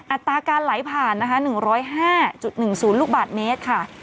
อัตราการไหลผ่านนะคะ๑๐๕๑๐ลูกบาทเมตรค่ะ